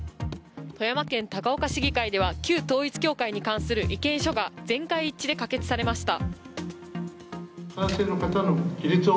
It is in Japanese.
富山県高岡市議会では旧統一教会に関する意見書が全会一致で可決されました。